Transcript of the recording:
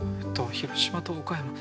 広島と岡山